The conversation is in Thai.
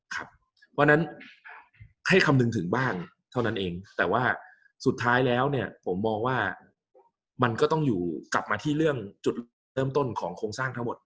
เพราะฉะนั้นให้คำนึงถึงบ้างเท่านั้นเองแต่ว่าสุดท้ายแล้วเนี่ยผมมองว่ามันก็ต้องอยู่กลับมาที่เรื่องจุดเริ่มต้นของโครงสร้างทั้งหมด